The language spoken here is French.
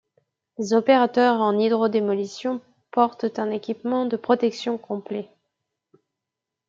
Les opérateurs en hydrodémolition portent un équipement de protection complet.